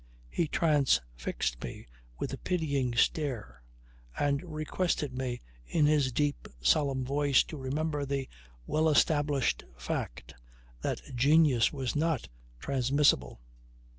He transfixed me with a pitying stare and requested me in his deep solemn voice to remember the "well established fact" that genius was not transmissible.